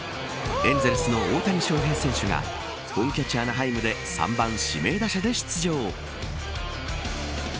エンゼルスの大谷翔平選手が本拠地アナハイムで３番指名打者で出場。